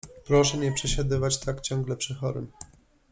— Proszę nie przesiadywać tak ciągle przy chorym.